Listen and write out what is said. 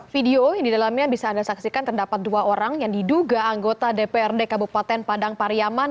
video yang di dalamnya bisa anda saksikan terdapat dua orang yang diduga anggota dprd kabupaten padang pariaman